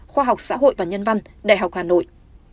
khoa học xã hội và nhân văn đại học hà nội